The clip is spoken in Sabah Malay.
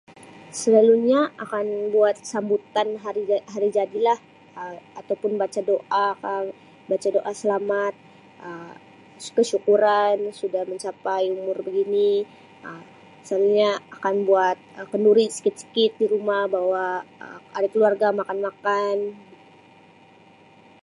Selalunya akan buat sambutan hari jadi lah Um ataupun baca doa ka, baca doa selamat, Um kesyukuran sudah mencapai umur begini Um. Selalunya akan buat kenduri sikit-sikit di rumah bawa ahli keluarga makan-makan.